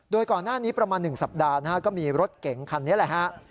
โดยก่อนหน้านี้ประมาณ๑สัปดาห์นะฮะก็มีรถเก๋งคันนี้แหละฮะ